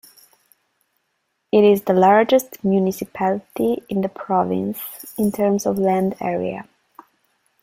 It is the largest municipality in the province in terms of land area.